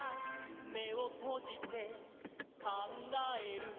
「めをとじてかんがえる」